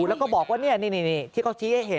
แล้วก็บอกว่านี่ที่เขาชี้ให้เห็น